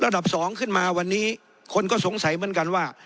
สองขึ้นมาวันนี้คนก็สงสัยเหมือนกันว่า